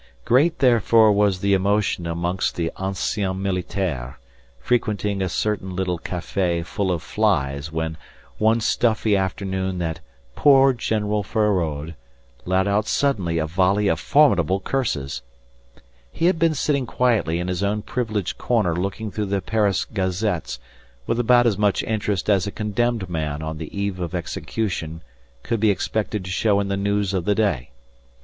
Great therefore was the emotion amongst the anciens militaires frequenting a certain little café full of flies when one stuffy afternoon "that poor General Feraud" let out suddenly a volley of formidable curses. He had been sitting quietly in his own privileged corner looking through the Paris gazettes with about as much interest as a condemned man on the eve of execution could be expected to show in the news of the day.